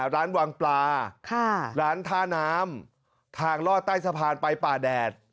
ร้านวางปลาร้านท่าน้ำทางลอดใต้สะพานไปป่าแดด